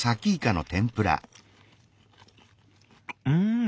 うん！